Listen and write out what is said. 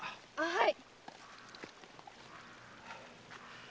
はい。